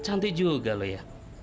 cantik juga lo ya